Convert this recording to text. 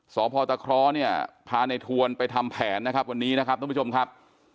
สพตะคร้อเนี่ยพาในทวนไปทำแผนนะครับวันนี้นะครับทุกผู้ชมครับ